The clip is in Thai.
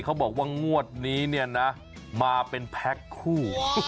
เขาบอกว่างวดนี้เนี่ยนะมาเป็นแพ็คคู่